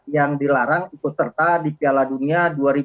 yang dilarang ikut serta di piala dunia dua ribu dua puluh